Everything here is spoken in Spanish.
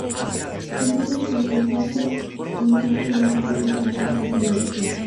El grupo es detenido en Francia, iniciándose una campaña internacional por su liberación.